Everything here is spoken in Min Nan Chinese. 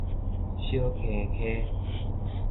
小坑溪